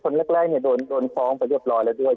คนแรกเนี่ยโดนฟ้องไปเรียบร้อยแล้วด้วย